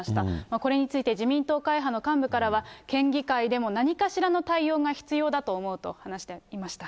これについて、自民党会派の幹部からは、県議会でも何かしらの対応が必要だと思うと話していました。